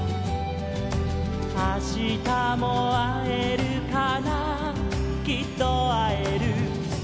「あしたもあえるかなきっとあえる」